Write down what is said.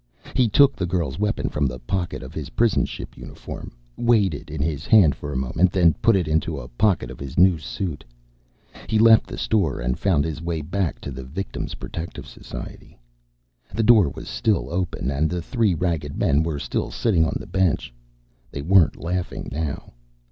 He took the girl's weapon from the pocket of his prison ship uniform, weighed it in his hand for a moment, then put it into a pocket of his new suit. He left the store and found his way back to the Victim's Protective Society. The door was still open, and the three ragged men were still sitting on the bench. They weren't laughing now.